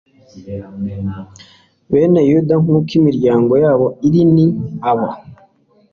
bene yuda nk uko imiryango yabo iri ni aba